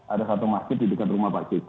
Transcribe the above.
ada satu masjid di dekat rumah pak jk